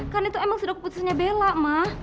kan itu emang sudah keputusannya bella mah